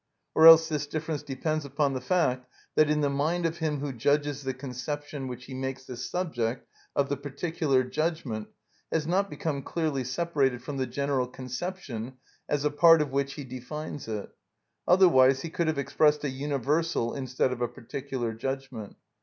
Or else this difference depends upon the fact that in the mind of him who judges the conception which he makes the subject of the particular judgment has not become clearly separated from the general conception as a part of which he defines it; otherwise he could have expressed a universal instead of a particular judgment.